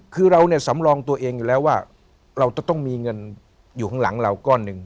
คือเราเนี่ยสำรองตัวเองอยู่แล้วว่าเราจะต้องมีเงินอยู่ข้างหลังเราก้อนหนึ่ง